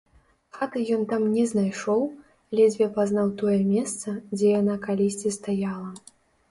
Хаты ён там не знайшоў, ледзьве пазнаў тое месца, дзе яна калісьці стаяла.